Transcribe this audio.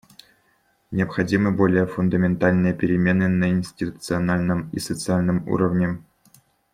Необходимы более фундаментальные перемены на институциональном и социальном уровне.